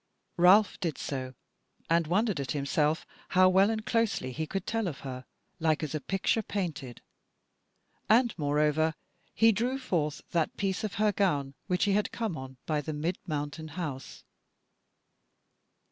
Ralph did so, and wondered at himself how well and closely he could tell of her, like as a picture painted. And, moreover, he drew forth that piece of her gown which he had come on by the Mid Mountain House.